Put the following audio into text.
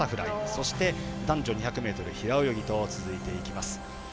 そして、男女２００ｍ平泳ぎと続いていきます。